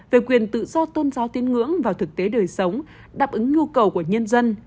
về quyền tự do tôn giáo tin ngưỡng vào thực tế đời sống đáp ứng nhu cầu của nhân dân